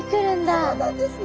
そうなんですね。